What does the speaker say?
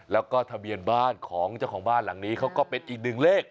แล้วก็ทะเบียนบ้านของเจ้าของบ้านหลังนี้เขาก็เป็นอีกหนึ่งเลข